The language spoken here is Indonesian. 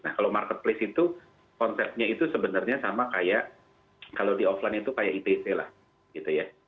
nah kalau marketplace itu konsepnya itu sebenarnya sama kayak kalau di offline itu kayak itc lah gitu ya